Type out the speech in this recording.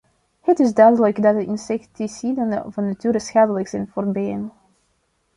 Het is duidelijk dat insecticiden van nature schadelijk zijn voor bijen.